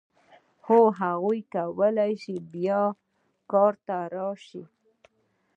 هو هغه کولای شي بیا کار ته راشي.